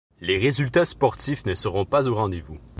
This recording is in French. Les résultats sportifs ne seront pas au rendez-vous.